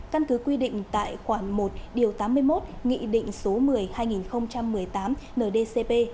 căn cứ quy định tại khoản một điều tám mươi một nghị định số một mươi hai nghìn một mươi tám ndcp